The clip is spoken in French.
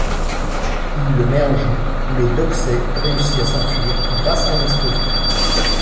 Il le met en joue mais Doxey réussit à s'enfuir grâce à un explosif.